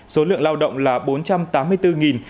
số lượng lao động là bốn trăm tám mươi doanh nghiệp